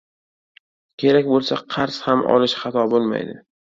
Kerak boʻlsa qarz ham olish xato boʻlmaydi.